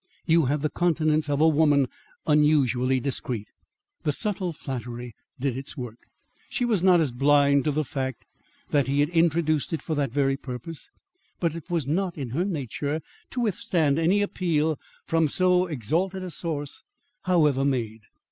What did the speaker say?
You have the countenance of a woman unusually discreet." The subtle flattery did its work. She was not blind to the fact that he had introduced it for that very purpose, but it was not in her nature to withstand any appeal from so exalted a source however made.